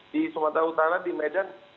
di sumatera utara di medan